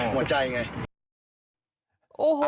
หัวใจไง